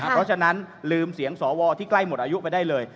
เพราะฉะนั้นลืมเสียงสวที่ใกล้หมดอายุไปได้เลย